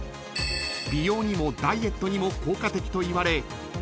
［美容にもダイエットにも効果的といわれ今大人気の商品］